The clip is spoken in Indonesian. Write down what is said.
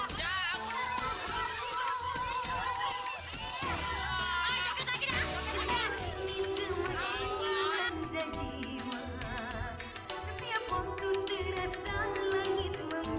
sampai jumpa di video selanjutnya